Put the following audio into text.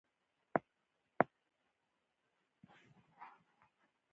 احمد مرغانو ته دانه اچولې وه ټولې یې ګیر کړلې.